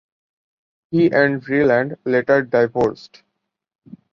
He and Vreeland later divorced.